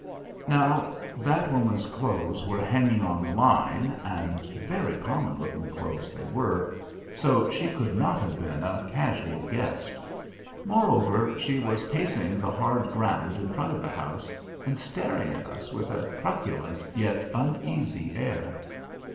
Now that woman's clothes were hanging on the line (and very common looking clothes they were), so she could not have been a casual guest. Moreover, she was pacing the hard ground in front of the house, and staring at us with a truculent yet uneasy air.